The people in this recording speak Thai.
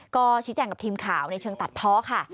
ก็ชี้แจงกับทีมข่าวในเชิงตัดเพาะค่ะ